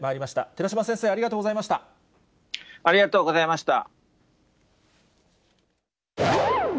寺嶋先生、ありがとうございました。